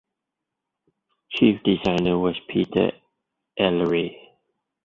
Chief designer was Peter Elleray.